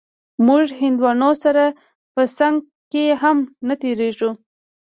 موږ هندوانو سره په څنگ کښې هم نه تېرېږو.